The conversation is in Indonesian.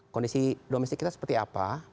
kondisi domestik kita seperti apa